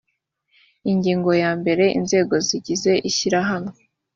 ingingo ya mbere inzego zigize ishyirahamwe